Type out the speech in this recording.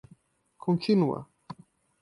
contínua